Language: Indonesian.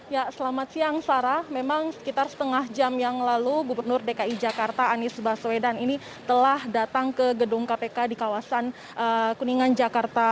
ya selamat siang sarah memang sekitar setengah jam yang lalu gubernur dki jakarta anies baswedan ini telah datang ke gedung kpk di kawasan kuningan jakarta